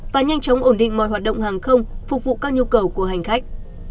và nhanh chóng ổn định mọi hoạt động hàng không phục vụ các nhu cầu của hành khách